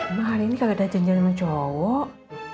emang hari ini kakak udah jenjel sama cowok